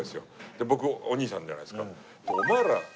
で僕お兄さんじゃないですか。